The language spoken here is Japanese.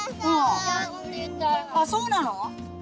あそうなの？